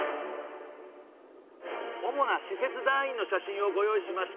主な使節団員の写真をご用意しました。